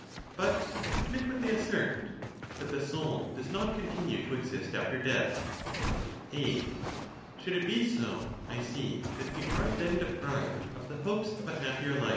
But admit what they assert—that the soul does not continue to exist after death. A, Should it be so, I see that we are then deprived of the hopes of a happier life.